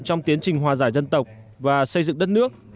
trong tiến trình hòa giải dân tộc và xây dựng đất nước